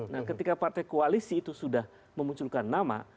nah ketika partai koalisi itu sudah memunculkan nama